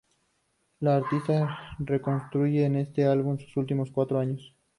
El artista reconstruye en este álbum sus últimos cuatro años.